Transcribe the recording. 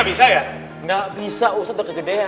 gak bisa ustadz udah kegedean